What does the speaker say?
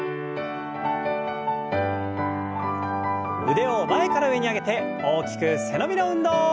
腕を前から上に上げて大きく背伸びの運動。